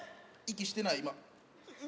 息してない今。